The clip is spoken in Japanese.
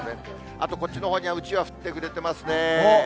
あと、こっちのほうにはうちわ、振ってくれてますね。